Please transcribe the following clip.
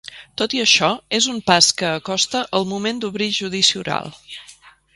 Tot i això, és un pas que acosta el moment d’obrir judici oral.